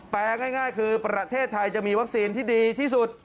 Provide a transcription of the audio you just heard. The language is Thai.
ง่ายคือประเทศไทยจะมีวัคซีนที่ดีที่สุด